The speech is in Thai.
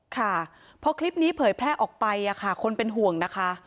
ค่ะพอคลิปนี้เผยแพร่ออกไปคนเป็นห่วงนะคะ